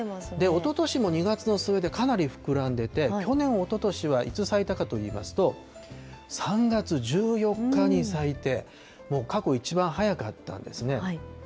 おととしも２月の末で、かなり膨らんでて、去年、おととしはいつ咲いたかといいますと、３月１４日に咲いて、もう過去一番早かったんですね。